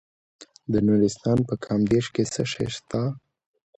د نورستان په کامدیش کې څه شی شته؟